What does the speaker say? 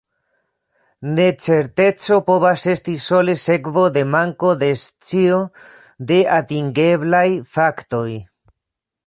Necerteco povas esti sole sekvo de manko de scio de atingeblaj faktoj.